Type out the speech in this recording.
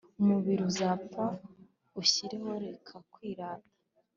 umubiri uzapfa ushireho reka kwirata